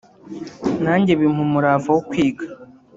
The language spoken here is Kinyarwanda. nanjye bimpa umurava wo kwiga